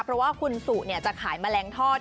เพราะว่าคุณสุจะขายแมลงทอด